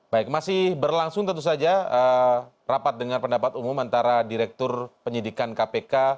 baik masih berlangsung tentu saja rapat dengan pendapat umum antara direktur penyidikan kpk